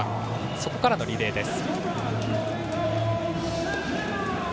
そこからのリレーです。